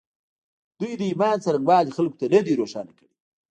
دوی د ایمان څرنګوالی خلکو ته نه دی روښانه کړی